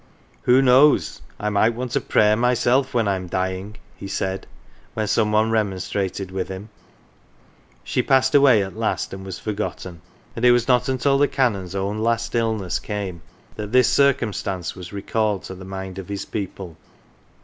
" Who knows, I might want a prayer myself when I am dying," he said, when some one remonstrated with him. She passed away at last and was forgotten, and it was not 19 THORNLEIGH until the Canon's own last illness came that this circum stance was recalled to the mind of his people.